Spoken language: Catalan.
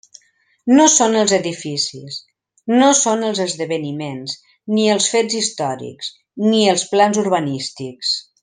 No són els edificis, no són els esdeveniments, ni els fets històrics, ni els plans urbanístics.